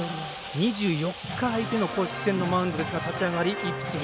２４日空いての公式戦のマウンドですがいいピッチング。